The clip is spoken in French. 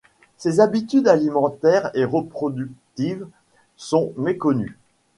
Ses habitudes alimentaires et reproductives sont méconnues.